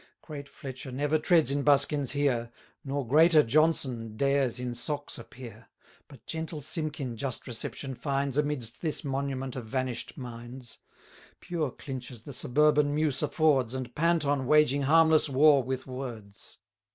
Great Fletcher never treads in buskins here, Nor greater Jonson dares in socks appear; 80 But gentle Simkin just reception finds Amidst this monument of vanish'd minds: Pure clinches the suburban muse affords, And Panton waging harmless war with words.